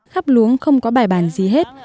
khắp luống không có bài bản gì hết